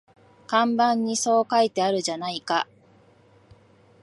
看板にそう書いてあるじゃないか